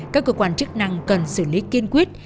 các cơ quan chức năng cần xử lý kiên quyết